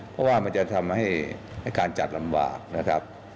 เพราะว่ามันจะทำให้การจัดลำวาก